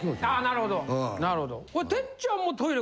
なるほど。